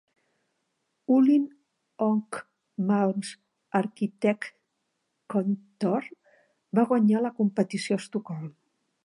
Uhlin och Malms Arkitektkontor va guanyar la competició a Estocolm.